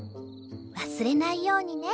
わすれないようにね。